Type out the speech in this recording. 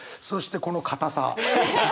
そしてこのかたさ。